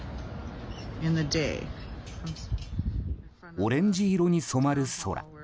オレンジ色に染まる空。